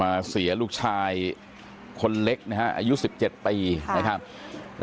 อายุ๑๐ปีนะฮะเขาบอกว่าเขาก็เห็นถูกยิงนะครับ